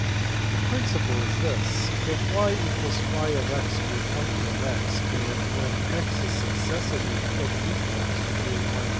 The principle is this. If y = (x) be a function of x and if when x is successively put equal to a 1?